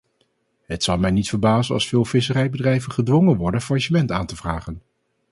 Het zou mij niet verbazen als veel visserijbedrijven gedwongen worden faillissement aan te vragen.